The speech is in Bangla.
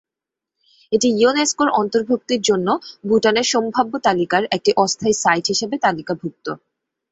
এটি ইউনেস্কোর অন্তর্ভুক্তির জন্য ভুটানের সম্ভাব্য তালিকার একটি অস্থায়ী সাইট হিসাবে তালিকাভুক্ত।